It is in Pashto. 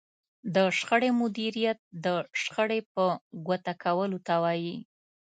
د شخړې مديريت د شخړې په ګوته کولو ته وايي.